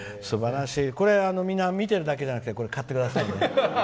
みんな見ているだけじゃなくて買ってくださいね。